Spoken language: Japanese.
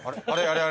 あれ？